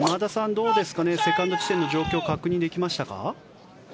どうですかセカンドショットの状況確認できましたか。